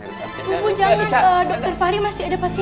bu jangan dokter fahri masih ada pasien